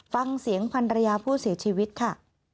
ฟังเสียงพันรยาผู้เสียชีวิตค่ะ